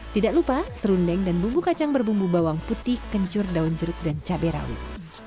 tidak lupa serundeng dan bumbu kacang berbumbu bawang putih kencur daun jeruk dan cabai rawit